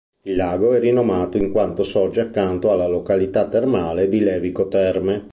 Il lago è rinomato in quanto sorge accanto alla località termale di Levico Terme.